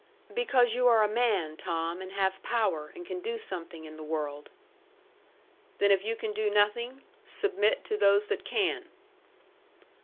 "Because you are a man, Tom, and have power, and can do something in the world." "Then, if you can do nothing, submit to those that can."